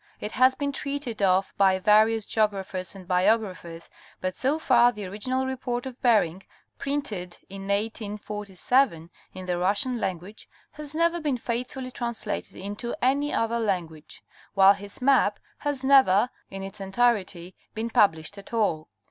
It has been treated of by various geographers and biographers, but so far the _ original report of Bering, printed in 1847 in the Russian language, has never been faithfully translated into any other language ; while his map has never, in its entirety, been published at all.